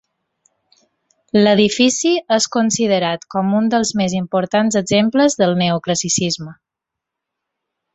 L'edifici és considerat com un dels més importants exemples del Neoclassicisme.